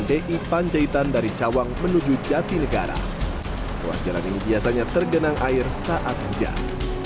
di panjaitan dari cawang menuju jatinegara ruas jalan ini biasanya tergenang air saat hujan